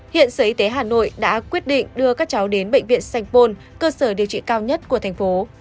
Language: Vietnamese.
hiện sở y tế hà nội đã quyết định đưa các cháu đến bệnh viện sanh pôn cơ sở điều trị cao nhất của thành phố